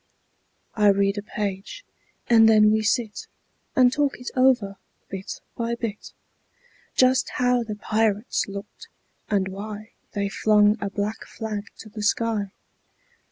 I read a page, and then we sit And talk it over, bit by bit; Just how the pirates looked, and why They flung a black flag to the sky.